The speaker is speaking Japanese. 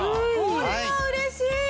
これはうれしい！